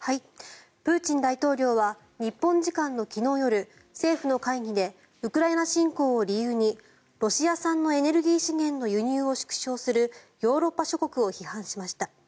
プーチン大統領は日本時間の昨日夜政府の会議でウクライナ侵攻を理由にロシア産のエネルギー資源の輸入を縮小するヨーロッパ諸国を批判しました。